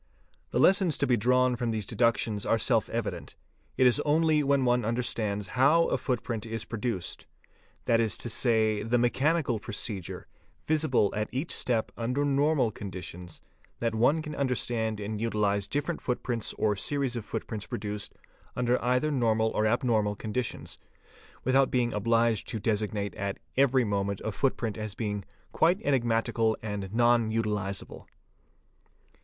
The lessons to be drawn from these deductions are self evident ; it is _ only when one understands how a footprint is produced, that is to say, the mechanical procedure, visible at each step under normal conditions, that one can understand and utilise different footprints or series of foot _ prints produced under either normal or abnormal conditions, without being obliged to designate at every moment a footprint as being '" quite enigmatical and non utilisable."